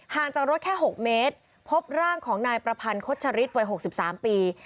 ห่างจากรถแค่๖เมตรพบร่างของนายประพันธ์โคชฌฤทธิ์วัย๖๓ปี